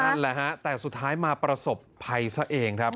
นั่นแหละฮะแต่สุดท้ายมาประสบภัยซะเองครับ